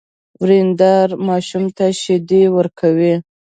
ورېندار ماشوم ته شيدې ورکولې.